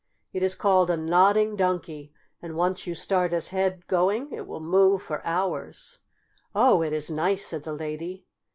It is called a Nodding Donkey, and once you start his head going it will move for hours." "Oh, it is nice!" said the lady.